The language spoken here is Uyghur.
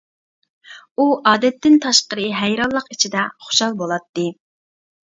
ئۇ ئادەتتىن تاشقىرى ھەيرانلىق ئىچىدە خۇشال بولاتتى.